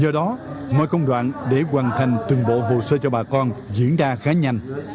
do đó mọi công đoạn để hoàn thành từng bộ hồ sơ cho bà con diễn ra khá nhanh